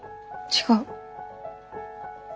違う。